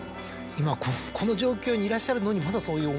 今この状況にいらっしゃるのにまだそういう思いを。